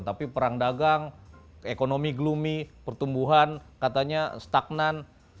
tapi perang dagang ekonomi gloomi pertumbuhan katanya stagnan